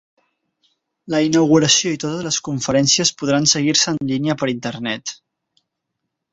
La inauguració i totes les conferències podran seguir-se en línia per internet.